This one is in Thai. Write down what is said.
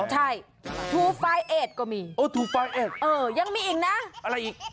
ใช่๒๕๘ก็มี๒๕๘อย่างมีอีกนะอะไรอีก